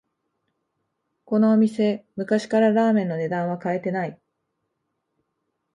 このお店、昔からラーメンの値段は変えてない